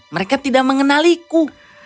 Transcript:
mereka tidak mengenaliku